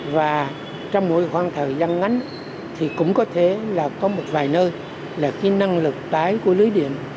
và trong mỗi khoảng thời gian ngắn thì cũng có thể là có một vài nơi là cái năng lực tái của lưới điện